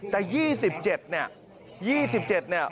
แต่๒๗เนี่ย